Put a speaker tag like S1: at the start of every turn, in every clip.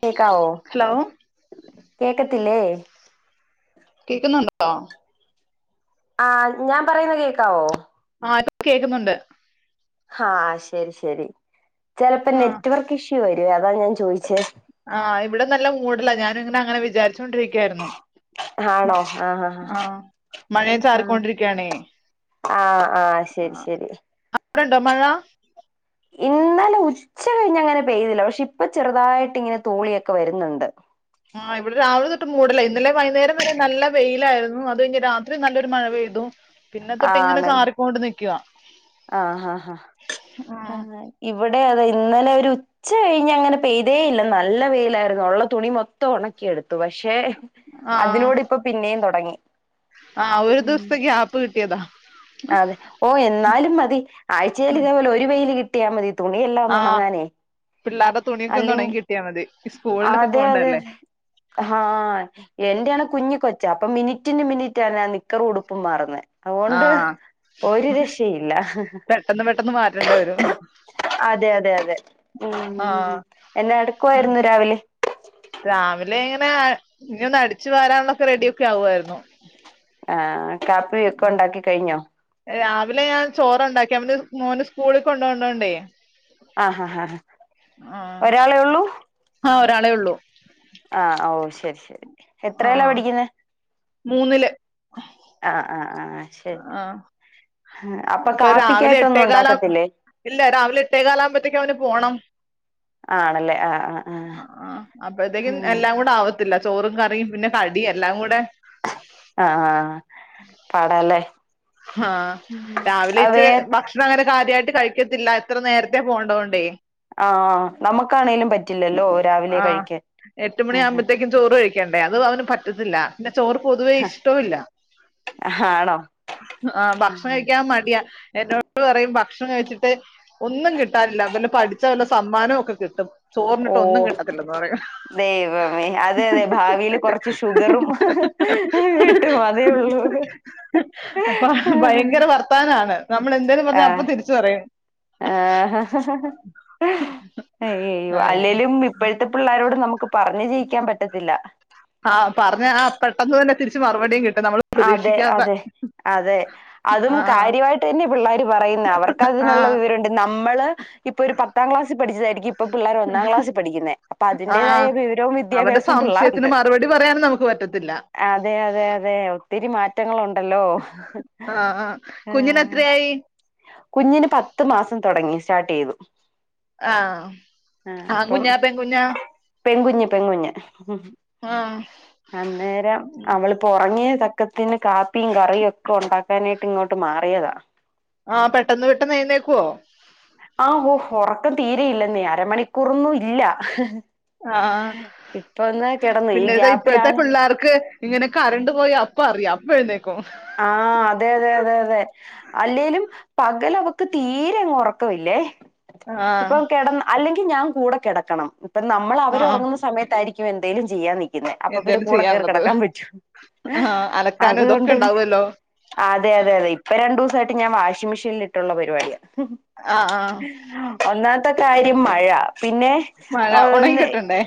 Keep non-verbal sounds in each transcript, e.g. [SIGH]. S1: കേക്കാവോ
S2: ഹലോ
S1: കേക്കത്തില്ലേ
S2: കേക്കുന്നുണ്ടോ
S1: ആഹ് ഞാൻ പറയുന്ന കേക്കാവോ
S2: ആ കേക്കുന്നുണ്ട്
S1: ആഹ് ശരി ശരി ചിലപ്പോ
S2: ആഹ്
S1: നെറ്റ്‌വർക്ക് ഇഷ്യൂ വരുവേ അതാണ് ഞാൻ ചോയിച്ചേ
S2: ആഹ് ഇവിടെ നല്ല മൂടല്ല ഞാനുങ്ങനെ അങ്ങനെ വിചാരിച്ച് കൊണ്ടിരിക്കായിരുന്നു മ
S1: ആണോ ആഹ്
S2: ആഹ് മഴ ചാറി ക്കൊണ്ടിരിക്കാണേ
S1: ആഹ ആഹ ശരി ശരി
S2: അവിടെണ്ടോ മഴ
S1: ഇന്നലെ ഉച്ച കഴിഞ്ഞ് അങ്ങനെ പെയ്തില്ല പക്ഷെ ഇപ്പ ചെറുതായിട്ട് ഇങ്ങനെ തൂളിയൊക്കെ വരുന്നുണ്ട്
S2: ആഹ് ഇവിടെ രാവിലെ തൊട്ട് മൂടലേ ഇന്നലെ വൈകുന്നേരം വന്ന നല്ല വെയിലായിരുന്നു അത്കഴിഞ്ഞ രാത്രി നല്ലൊരു മഴെ പയ്തു പിന്നെ തൊട്ട് ഇങ്ങനെ ചാറിക്കൊണ്ട് നിക്കുവ
S1: ആഹ ആഹ ആ
S2: ആഹ്
S1: ഇവിടെ അതെ അതെ ഇന്നലെ ഒരു ഉച്ച കഴിഞ്ഞ് അങ്ങനെ പെയ്തേ ഇല്ല നല്ല പെയിലായിരുന്നു ഉള്ള തുണി മൊത്തം ഉണക്കിയെടുത്തു പക്ഷെ അതിനോട്പ്പൊ പിന്നെയും തുടങ്ങി
S2: ആഹ ഒരു ദിവസത്തേക്ക് ഗ്യപ്പ് കിട്ടിയതാ
S1: അതെ ഓ എന്നാലും മതി ആഴ്ചൽ ഇതേപോലെ ഒരു വെയില് കിട്ടിയാൽ മതി തുണിയെല്ലാംന്ന്
S2: ആഹ്
S1: ഉണങ്ങാനേ
S2: പിള്ളേരുടെ തുണിയൊക്കെ ഒന്ന് ഉണങ്ങി
S1: അല്ലെങ്കി
S2: കിട്ടിയാ മതി ഈ സ്കൂളിലൊക്കെ പോകണ്ടല്ലേ
S1: ആഹ എന്റെയാണ് കുഞ്ഞിക്ക കൊച്ച അപ്പൊ മിനിറ്റിന് മിനിറ്റാണ് ആ നിക്കറ ഉടുപ്പ് മാറുന്നത് അതുകൊണ്ട്
S2: ആഹ്
S1: ഒരു രക്ഷയുംല്ല
S2: പെട്ടെന്ന് പെട്ടെന്ന് മാറ്റേണ്ടി വരും
S1: അതെ അതെ അതെ ഉ
S2: ആഹ്
S1: എന്നെ എ ടുക്കുായിരുന്നു രാവിലെ
S2: രാവിലെ എങ്ങനെ ഇ ഒന്ന് അടിച്ചു വരാനുള്ളൊക്കെ റെഡിയ ഒക്കെ ആവുായിരുന്നു
S1: ആഹ കാപ്പി ഒക്കെ ഉണ്ടാക്കി കഴിഞ്ഞോ
S2: രാവിലെ ഞാൻ ചോറ് ഉണ്ടാക്കി അവന് മോന് സ്കൂളിൽ കൊണ്ട പോണ്ടോണ്ടേ
S1: ആഹ ഹാ ആാ
S2: ആ
S1: ഒരാളേ ഉള്ളൂ
S2: ഒരാളെ ഉള്ളൂ
S1: ആഹ ഓ ശരി ശരി എത്രയല്ല പഠിക്കുന്ന
S2: മൂന്നില്
S1: ആഹ് ആഹ് ആഹ്
S2: ആഹ അപ്പൊ രാവിലെ
S1: കാപ്പിക്കായിട്ടൊന്നും
S2: എട്ടേകാലം
S1: ഉണ്ടാക്കത്തില്ലേ
S2: ഇല്ല രാവിലെ എട്ടേകാല ആകുമ്പോത്തേക്ക അവന് പോണം
S1: ആണല്ലേ ആഹ് ആഹ്
S2: ആ ആ അപ്പഴത്തേക്കും
S1: ആഹ്
S2: എല്ലാം കൂടെ ആവ ചോറും കറിയും പിന്നെ കടിയും എല്ലാം കൂടെ
S1: ആഹ പാടല്ലേ
S2: ആഹ രാവിലെ ഇച്ചി ഭക്ഷണംങ്ങനെ കാര്യായിട്ട് കഴിക്കത്തില്ല എത്ര നേരത്തെ പോകണ്ടത തോണ്ടേ
S1: ആഹ നമ്മുക്കാണേങ്കലും പറ്റില്ലല്ലോ രാവിലെ
S2: ആഹ്
S1: കഴിക്കാൻ
S2: എട്ട്
S1: ആ ഹ
S2: മണിയാകുമ്പോഴത്തേക്കും ചോറ് കഴിക്കണ്ടേ അത് അവന് പറ്റത്തില്ല പിന്നെ ചോർ പൊതുവേ ഇഷ്ടവല്ല
S1: ആണോ
S2: ആ് ഭക്ഷണം കഴിക്കാൻ മടിയാ എന്നോ യും ഭക്ഷണം കഴിച്ചിട്ട് ഒന്നും കിട്ടാറില്ലല്ല പഠിച്ചാ വല്ല സമ്മാനവും ഒക്കെ കിട്ടും
S1: ഓ
S2: ചോറിന്നിട്ട ഒന്നും കിട്ടത്തില്ലന്ന് പറയാ
S1: ദൈവമേ അതെ അതെ ഭാവിൽ കുറച്ച് ഷുഗറും കിട്ടും അതേ ഉള്ളൂ അത
S2: അപ്പ ഭയങ്കര വർത്താനമാണ് നമ്മൾ എന്തെന്ന് പറഞ്ഞൽ അപ്പൊ തിരിച്ചു പറയും
S1: ആഹ അ്യ്യോ അല്ലേലും ഇപ്പോഴത്തെ പിള്ളാരോട് നമുക്ക് പറഞ്ഞഞ് ജീയിക്കാൻ പറ്റത്തില്ല
S2: ആഹ പറഞ്ഞ ആ പെട്ടെന്ന് തന്നെ തിരിച്ച് മറുപടിയും കിട്ടും നമ്മൾ
S1: അതെ
S2: പ്രതീക്ഷിക്കാത്ത
S1: അതെ അതെ അതും
S2: ആഹ്
S1: കാര്യമായിട്ട് തന്നെ പിള്ളാര് പറയുന്ന അവർക്ക്തി
S2: ആഹ്
S1: വണ്ട് നമ്മള് ഇപ്പൊ ഒരു പത്താം ക്ലാസ്സ് പഠിച്ചതായിരിക്ക
S2: ആ
S1: അതിന്റേതായ വിവരവും
S2: അവടെ
S1: വിദ്യാഭ്യാസവും
S2: സംശയത്തിന്
S1: പിള്ളേർക്കുണ്ട്.
S2: മറുപടി പറയാനും നമുക്ക് പറ്റ പറ്റത്തില്ല
S1: അതെ അതെ അതെ ഒത്തിരി മാറ്റങ്ങളുണ്ട് ഹലോ
S2: ആ ആ
S1: ഉ
S2: കുഞ്ഞിന് എത്രയായി
S1: കുഞ്ഞിന് പത്ത് മാസം തുടങ്ങി സ്റ്റാർട്ട് ചെയ്തു
S2: ആഹ ആ കുുഞ്ഞ പെ കുുഞ്ഞ
S1: പെകുഞ്ഞ് പെകുഞ്
S2: ആ
S1: അന്നേരം അവള് പറങ്ങി പക്കത്തിന് കാപ്പിയും കറിയും ഒക്കെ ഉണ്ടാക്കാനായിട്ട് ഇങ്ങോട്ട് മാറിയതാ
S2: ആഹ പെട്ടന്ന് പെട്ടെന്ന് നഴുന്നേക്കുവോ
S1: ആ ഓ ഉറക്കം തീരെയില്ല നീ അരമണിക്കൂറൊന്നും ഇല്ല
S2: ആഹ
S1: ഇപ്പൊ ഒന്ന് കിടന്നു ഈ
S2: പിന്നെതാ ഇപ്പോഴത്തെ
S1: ഗ്യാപ്പിലാണ്
S2: പിള്ളേർക്ക് ഇങ്ങനെ കറണ്ട് പോയി അപ്പ അറിയാം അപ്പ എഴുന്നേക്കും
S1: ആഹ അതെ അതെ അതെ അതെ അല്ലേലും പകലവക്ക് തീരെ അങ്ങ് ഉറക്കമില്ലേ
S2: ആ
S1: ഇപ്പൊ കട അല്ലെങ്കിൽ ഞാൻ കൂടെ കിടക്കണം ഇപ്പ നമ്മൾ അവർ
S2: ആ
S1: ഉറങ്ങുന്ന സമയത്തായിരിക്കും എന്തെേലും ചെയ്യാൻ നിക്കുന്നേ അപ്പൊ പിന്നെ
S2: എന്തേലും
S1: കൂടെ കേയറി
S2: ചെയ്യാനുള്ളത്
S1: കിടക്കാൻ പറ്റൂ
S2: ആ അലക്കാനും ഇതൊക്കെ
S1: അതുകൊണ്ട്
S2: ഉണ്ടാവുമല്ലോ
S1: അതെ അതെതെ ഇപ്പ രു ദിവസമായിട്ട് ഞാൻ വാഷിംഗ് മെഷീനിൽ ഇട്ടുള്ള പരിപാടിയാണ്
S2: ആ ആ
S1: ഒന്നാമത്തെ കാര്യം മഴ പിന്നെ
S2: മഴ ഉണങ്ങി കിട്ടണ്ടേ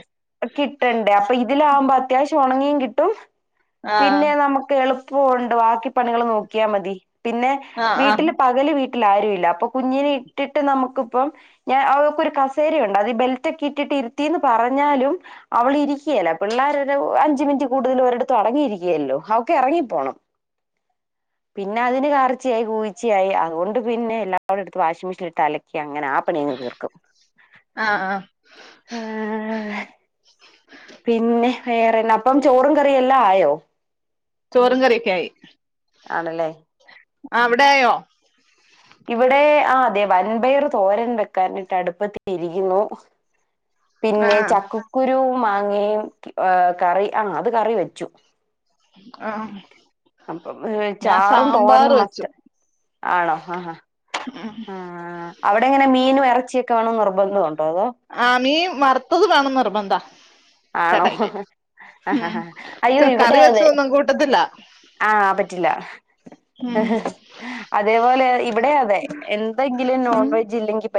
S1: കിട്ടണ്ടേ അപ്പൊ ഇത് ഇതിലാകുമ്പോ അത്യാവശ്യം ഉണങ്ങിയും കിട്ടും
S2: ആ
S1: പിന്നെ നമുക്ക് എളുപ്പ ഉണ്ട് ാക്കിപ്പണികൾ നോക്കിയാൽ മതി പിന്നെ
S2: ആ ആ
S1: വീട്ടിൽ പകല് വ ആല്ല അപ്പൊ കുഞ്ഞിനെ ഇട്ടിട്ട് നമുക്കിപ്പം ഞാൻക്ക ഒരു കസേരയ ഉണ്ട് അത് ബെൽറ്റ ഒക്കെ ഇട്ടിട്ട് ന്ന് പറഞ്ഞാലും അവള ഇരിക്കുകയല്ല പിള്ളേർ അഞ്ച മിനിറ്റ് കൂടുതൽ ഒരിത്തത്ത് അടങ്ങിയിരിക്ക ല്ലോ അവക്കെ ഇറങ്ങിപ്പോണം പിന്നെ അതിന് കറർച്ച ആായി കുൂച്ചയായി അതുകൊണ്ട് പിന്നെ എല്ലാടെുംടുത്ത് വാഷിംഗ് മെഷീൻ ഇട്ട് അലക്കിയാണ് അങ്ങനെ ആപ്പണി തീർക്കും
S2: ആ ആ [UNINTELLIGIBLE]
S1: പിന്നെ വേറെന്ന അപ്പം ചോറും കറിയ എല്ലാം ആയോ
S2: ചോറും കറിയൊക്കെ ആായി
S1: ആണല്ലേ
S2: ആ അവിടെ ആയോ
S1: ഇവിടെ ആ അതെ വൻപയർ തോരൻ വെക്കാനിട്ട് അടുപ്പത്തിരിക്കുന്നു
S2: ആ
S1: പിന്നെ ചക്കക്കുരു മാങ്ങയും കറി ആ അത് കറി വെച്ചു
S2: ആഹ
S1: അപ്പം ചാറും തോരനും
S2: വെച്ചു
S1: മസ്റ്റ് ആണോ ആഹ
S2: ഉം.
S1: ആ അവിടെ എങ്ങനെ മീനും ഇറച്ചിയൊക്കെ വേണ നിർബന്ധംുണ്ടോ അതോ
S2: മറത്തത് വേണം നിർബന്ധ
S1: ആണോ
S2: ചേട്ടായിക്ക്
S1: ആ
S2: ഉം
S1: അയ്യോ ഇവിടെ
S2: കറി
S1: അതെ
S2: വെച്ചതൊന്നും കൂട്ടത്തില്ല
S1: ആഹ് പറ്റില്ല
S2: ഉം
S1: അതേപോലെ ഇവിടെ അതെ എന്തെങ്കിലും നോൺവെജ് ഇല്ലെങ്കിൽ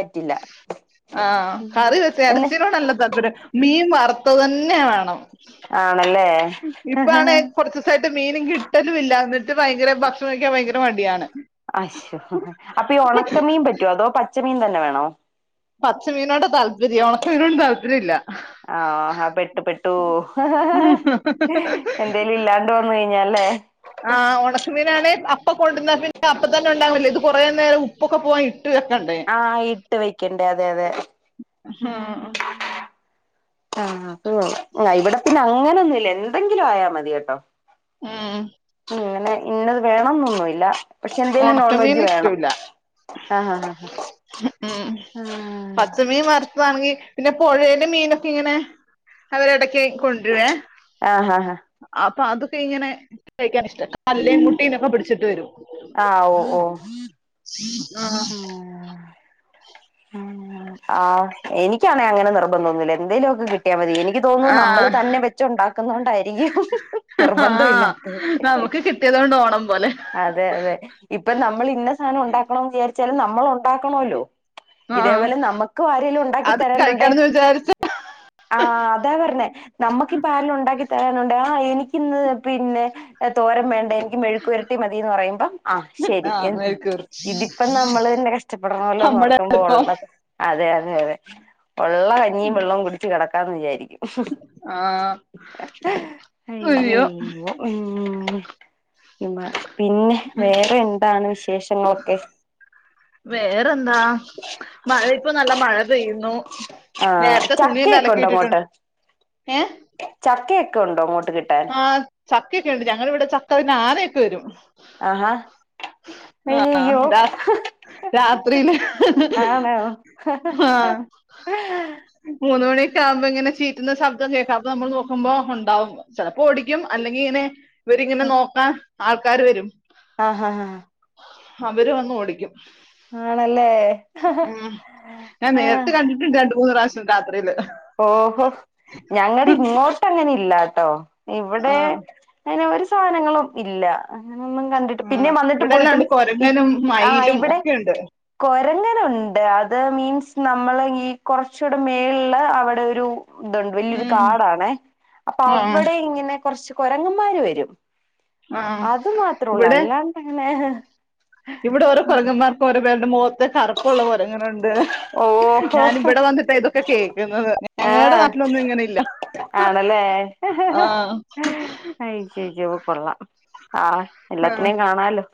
S2: ആഹ കറി വെച്ച്
S1: എന്ന്
S2: ഇറച്ചയിലോണല്ല താപര്യം മീൻ വർ പൊത്ത തന്നെ വേണം
S1: ആണല്ലേ
S2: ഇപ്പ കുറച്ച ദിവസമായിട്ട് മീനും കി ഇലുംില്ല എന്നിട്ട് ഭയങ്കര ഭക്ഷണം വഴിക്കാൻ ഭയങ്കര മടിയാണ്
S1: അ അപ്പൊ ഈ ഉണക്കമീൻ പറ്റോ അതോ പച്ച മീൻ തന്നെ വേണോ
S2: പച്ചമീനോട് താല്പര്യം ഉണക്കമീനോും താല്പര്യം ഇില്ല
S1: ആഹ ആ പെട്ടു പെട്ടു എന്തേലും ഇല്ലാണ്ട് വന്ന കഴിഞ്ഞാല് അല്ലേ
S2: ആ് ഉണക്കുമീനാണ് അപ്പൊ കൊണ്ടിന്ന പിന്നെ അപ്പ തന്നെ ഉണ്ടാാവില്ല ഇത് കുറേ നേരം ഉപ്പൊക്കെ പോവാൻ വെക്കണ്ടേ
S1: ആഹ ഇട്ട് വെക്കണ്ടേ അതെ അതെ
S2: ആഹ
S1: ആഹ അ ഇവിടെ പിന്നെ അങ്ങനൊന്നുംല്ല എന്തെങ്കിലും ആയാ മതി കേട്ടോ
S2: ഉം
S1: ഇങ്ങനെ ഇന്നത് വേണംന്നൊന്നുംല്ല
S2: ഉണക്കമീൻ ഇഷ്ടമില്ല
S1: ആഹ് ആഹ്
S2: ഉം
S1: ആഹ്
S2: പച്ചമീ മർത്തമാണക പിന്നെ പുഴന്റെ മീനൊക്കെ ഇങ്ങനെ അവരിടക്ക് ക്കണ്ടരെ
S1: ആഹ് ആഹ് ആഹ്
S2: അപ്പൊ അത് ഇങ്ങനെ കഴിക്കാൻ ഇഷ്ട അല്ലേയും കുട്ടീനോക്കെ പിടിച്ചിട്ട് വരും
S1: ആ ഓ ഓ
S2: ആഹ
S1: ആ് എനിക്കാ അങ്ങനെ നിർബന്ധ തോന്നുന്നില്ല എന്തേലുമ ഒക്കെ കിട്ടിയാൽ മതിനി എനിക്ക് തോന്നുന്നു നമ്മള്
S2: ആഹ്
S1: തന്നെ വെച്ച ഉണ്ടാക്കുന്നോണ്ടായിരിക്കും നിർബന്ധം ഇല്ലാത്ത
S2: കിട്ടത്ണ്ടോ
S1: അതെ അതെ ഇപ്പൊ നമ്മൾ ഇന്ന സാധനം ഉണ്ടാക്കണം വിചാരിച്ചാലും നമ്മൾ ഉണ്ടാക്ക ണല്ലോ
S2: ആഹ്
S1: ഇതേപോലെ നമുക്കും ആരെലും ഉണ്ടാക്കി
S2: അത്
S1: തരാനുണ്ട
S2: കഴിക്കണന്ന് വിചാരിച്ച
S1: ആഹ അതാ പറഞ്ഞേ നമ്മുക്കിപ്പ ആരിലും ഉണ്ടാക്കി തരാനുണ്ട് ആ എനിക്കിന്ന് പിന്നെ തോരം വേണ്ട മെഴുക്കു ഇരട്ടി മതിന്ന് പറയുമ്പം ആ ശരി
S2: ആഹ്
S1: എന്താ
S2: മേൽക്കേറും
S1: ഇതിപ്പം നമ്മള് തന്നെ കഷ്ടപ്പെടണമല്ലോന്ന്റക്കും
S2: നമ്മടെ എളുപ്പം
S1: അതെ അതെ അതെ ഉള്ള കഞ്ഞിയും വെള്ളം കുടിച്ച് കിടക്കാന്ന് വിചാരിക്കും
S2: ആഹ്
S1: ഹൈ
S2: അയ്യോ
S1: ഉ പിന്നെ
S2: ഉം
S1: വേറെ എന്താണ് വിശേഷങ്ങളൊക്കെ
S2: വേറെന്താ മഴ ഇപ്പോ നല്ല മഴ പെയ്യുന്നു
S1: ആഹ്
S2: നേരത്തെ തുണി എല്ലാം
S1: ചക്കയൊക്കെ
S2: അലക്കെ
S1: ഉണ്ടോ
S2: ഇട്ടിട്ടുണ്ട്
S1: അങ്ങോട്ട്
S2: ഏ
S1: ണ്ടോ
S2: ആ. ചക്കൊക്കെ ഉണ്ട് ഞങ്ങിവിടെ ചക്ക അതി ആനയൊക്കെ വരും
S1: ആഹാ അയ്യോ
S2: രാ രാത്രിയില് ആഹ മൂന്ന് മണിയൊക്കെ ആവുമ്പോ ഇങ്ങനെ ചീ പറ്റുന്ന ശബ്ദം കേൾക്കാത്ത നമ്മൾ നോക്കുമ്പോ ഉണ്ടാവും ചിലപ്പോ ഓടിക്കും അല്ലെങ്കി ഇങ്ങനെ ഇവരിങ്ങനെ നോക്കാൻ ആൾക്കാാര് വരും
S1: ആഹ് ആഹ് ആഹ
S2: അവര് വന്ന് ഓടിക്കും
S1: ആണല്ലേ
S2: ഉ ഞാൻ
S1: ആ
S2: നേരട്ട് കണ്ടിട്ടുണ്ട് രണ്ട് മൂന്ന് പ്രാവശ്യം രാത്രിയില്
S1: ഓഹോ ഞങ്ങളുടെ ഇങ്ങോട്ട് അങ്ങനെ ഇല്ലാത കേട്ടോ ഇവിടെ
S2: ആഹ്
S1: അനെ ഒരു സാധനങ്ങളും ഇല്ല അങ്ങൊന്നും കണ്ടിട്ട് പിന്നെ
S2: ആഹ്
S1: വന്നിട്ടും
S2: ഇവിടെല്ലാം
S1: പോയിട്ടും
S2: ഉണ്ട് കൊരങ്ങനും
S1: ആ
S2: മയിലും
S1: ഇവിടെ
S2: ഒക്കെയുണ്ട്
S1: കൊരങ്ങനുണ്ട് അത് മീൻസ് നമ്മളള് ഈ കുറച്ചൂടെ മേുള്ള അവിടെ ഒരു ഇതുണ്ട് വലിയൊരു
S2: ഉം
S1: കാടാണെ അപ്പൊ
S2: ആഹ്
S1: അവിടെ ഇങ്ങനെ കുറച്ച് കുരങ്ങന്മാര് വരും
S2: ആഹ്
S1: അത് മാത്രേ ഉള്ളൂ
S2: ഇവിടെ
S1: അല്ലാണ്ടങ്ങനെ
S2: ഇവിടെ ഓരോ കുരങ്ങന്മാർക്കും ഓരോ പേരുടെ മുഖത്ത കറുപ്പുള്ള കുരങ്ങനുണ്ട്
S1: ഓഹോ
S2: ഞാന ഇവിടെ വന്നിട്ട് ഇതൊക്കെ കേക്കുന്നത് ഞങ്ങളുടെ
S1: ആഹ്
S2: നാട്ടിലൊന്നും ഇങ്ങനെല്ല
S1: ആണല്ലേ അ ചേ ചോപ്പ കൊള്ളാം ആഹ
S2: ആഹ്
S1: എല്ലാത്തിനേും കാണാലോ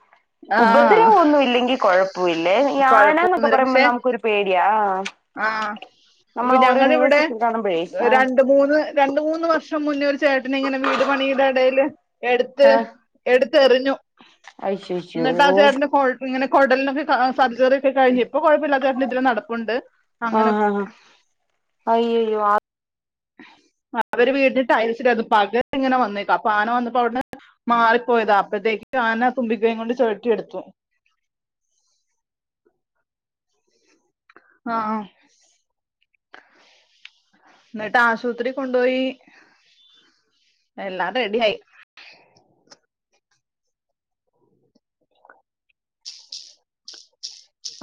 S2: ആഹ്
S1: ഉപദ്രവ ഒന്നും ഇല്ലെങ്കി കൊഴപ്പ ഇല്ലേ ആാനന്നൊക്ക പറയുമ്പ നമുക്കോ രു പേടിയാ ആഹ്
S2: ആഹ
S1: നമ്മൾ
S2: ഇ
S1: ഓരോ
S2: ഞങ്ങള ഇവിടെ
S1: ന്യൂസൊക്കെ കാണുമ്പഴേ ആഹ്
S2: രണ്ട് മൂന്ന് രണ്ട മൂന്ന് വർഷം മുന്ന ചേട്ടന് ഇങ്ങനെ വീട് പണിയുടെ ഇടൽ എടുത്ത്
S1: ആഹ്
S2: എടുത്തെറിഞ്ഞു
S1: അയ്ശയ്യോ
S2: എന്നിട്ട് ആ ചേട്ടന്റെ ന്റെ ഇങ്ങനെ കുടലിനൊക്കെ സർജറിിയ ഒക്കെ കഴിഞ്ഞഞ്പ്പപ്പോഴപ്പമില്ലാത്തവരുടെ ഇതിൽ നടപ്പുണ്ട്
S1: ആ
S2: അങ്ങനെ
S1: ആ അയ്യയ്യോ അ
S2: അവര് വീടിന്റെ ടൈൽസിടുക പകരം ഇങ്ങനെ വന്നേക്കാം അപ്പൊ ആന വന്നപ്പോ അവിടുന്ന് മാറിപ്പോയതാ അപ്പഴത്തേക്ക് ആന തുമ്പിക്കയും കൊണ്ട് ചുഴട്ടിയെടുത്തു. ആഹ് ആഹ് ന്നട്ട് ആശുപത്രി കൊണ്ടോയി എല്ലാം റെഡിയായി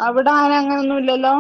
S2: അവിടെ ആന അങ്ങനെന്നും ഇല്ലല്ലോ?